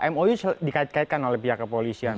mou dikaitkan oleh pihak kepolisian